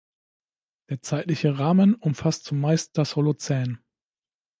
Der zeitliche Rahmen umfasst zumeist das Holozän.